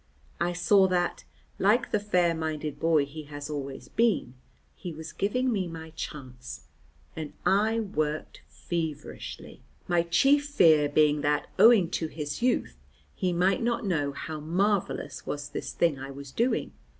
I saw that, like the fair minded boy he has always been, he was giving me my chance, and I worked feverishly, my chief fear being that, owing to his youth, he might not know how marvellous was this thing I was doing.